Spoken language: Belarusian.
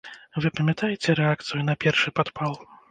Вы памятаеце рэакцыю на першы падпал?